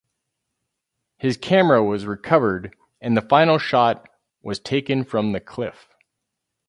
His camera was recovered and the final shot was taken from the cliff.